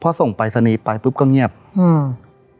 พอส่งไปสนีไปปุ๊บก็เงียบอืม